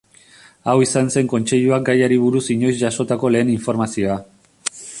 Hau izan zen kontseiluak gaiari buruz inoiz jasotako lehen informazioa.